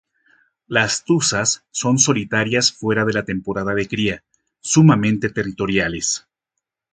Las tuzas son solitarias fuera de la temporada de cría, sumamente territoriales.